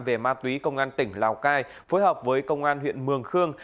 về ma túy công an tỉnh lào cai phối hợp với công an huyện mường khương